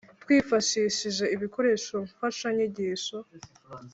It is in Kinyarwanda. Twifashishije ibikoresho mfashanyigisho